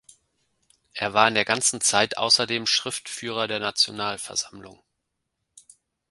Er war in der ganzen Zeit außerdem Schriftführer der Nationalversammlung.